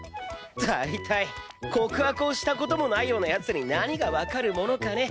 大体告白をした事もないような奴に何がわかるものかね？